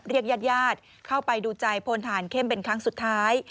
ญาติญาติเข้าไปดูใจพลฐานเข้มเป็นครั้งสุดท้าย